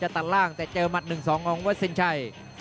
แต่เจอมัดหนึ่งสองของวัดสินชัย